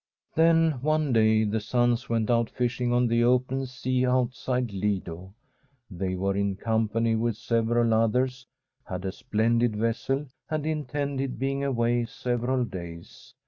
Then, one day, the sons went out fishing on the open sea, outside Lido. They were in com pany with several others, had a splendid vessel, and intended being away several days.